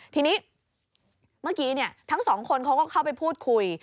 ทีนี้เมื่อกี้ทั้งสองคนเขาก็เข้าไปพูดคุย